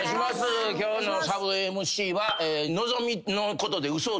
今日のサブＭＣは。